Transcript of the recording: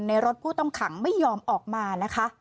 รถผู้ต้องขังไม่ยอมออกมานะคะ